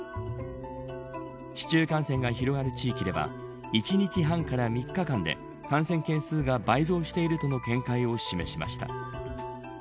市中感染が広がる地域では１日半から３日間で感染件数が倍増しているとの見解を示しました。